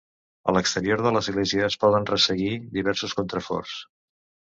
A l'exterior de l'església es poden resseguir diversos contraforts.